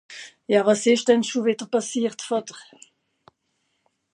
Ja, wàs ìsch denn schùn wìdder pàssiert, Vàter ?